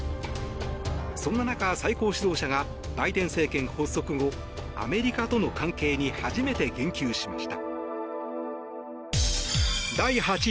そんな中、最高指導者がバイデン政権発足後アメリカとの関係に初めて言及しました。